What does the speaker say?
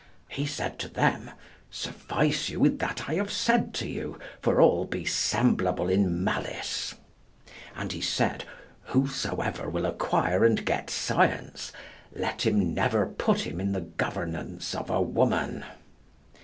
He said to them, "Suffice you with that I have said to you, for all be semblable in malice." And he said, "Whosoever will acquire and get science, let him never put him in the governance of a woman."